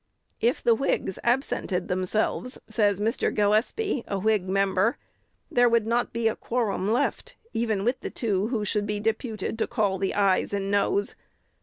"If the Whigs absented themselves," says Mr. Gillespie, a Whig member, "there would not be a quorum left, even with the two who should be deputed to call the ayes and noes.